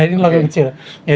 ini logam kecil ya